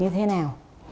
như thế nào